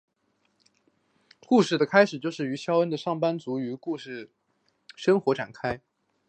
故事就是发生于肖恩的上班以及家庭生活展开。